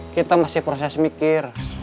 kita masih proses mikir